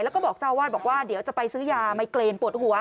แล้วก็บอกเจ้าวาดบอกว่าเดี๋ยวจะไปซื้อยาไมเกรนปวดหัว